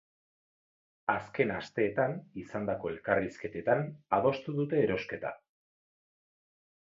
Azken asteetan izandako elkarrizketetan adostu dute erosketa.